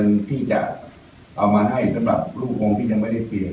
เรียนเงินที่จะเอามาให้สำหรับรูปภงที่ยังไม่ได้เปลี่ยน